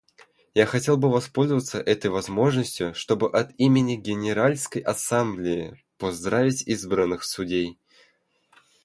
Я хотел бы воспользоваться этой возможностью, чтобы от имени Генеральной Ассамблеи поздравить избранных судей.